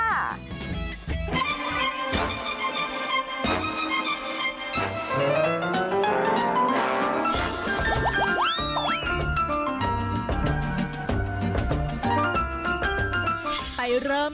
ไปเริ่มกันนะครับ